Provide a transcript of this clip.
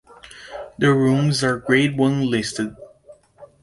The ruins are Grade One listed.